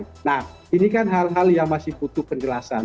nah ini kan hal hal yang masih butuh penjelasan